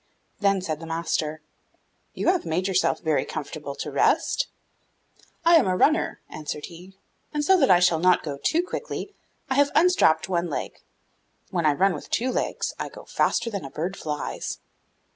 Then said the master, 'You have made yourself very comfortable to rest!' 'I am a runner,' answered he; 'and so that I shall not go too quickly, I have unstrapped one leg; when I run with two legs, I go faster than a bird flies.